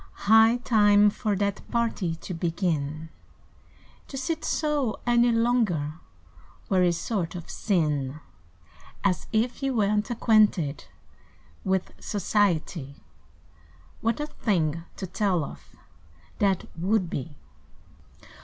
High time for that party To begin! To sit so any longer Were a sort of sin; As if you were n't acquainted With society. What a thing to tell of That would be!